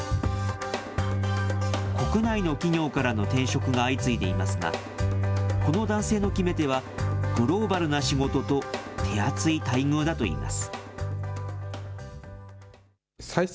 国内の企業からの転職が相次いでいますが、この男性の決め手は、グローバルな仕事と手厚い待遇だといいます。